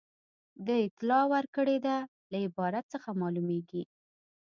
د اطلاع ورکړې ده له عبارت څخه معلومیږي.